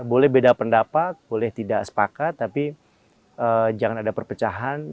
boleh beda pendapat boleh tidak sepakat tapi jangan ada perpecahan